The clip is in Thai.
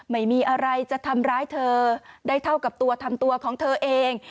ไม่มีอะไรจะทำร้ายเธอได้เท่ากับตัวทำตัวของเธอเอง